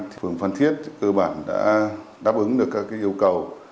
thì phường phan thiết cơ bản đã đáp ứng được các yêu cầu